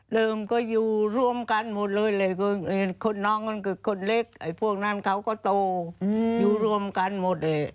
เริ่มก็อยู่ร่วมกันหมดเลยเลยคนน้องมันคือคนเล็กไอ้พวกนั้นเขาก็โตอยู่รวมกันหมดเลย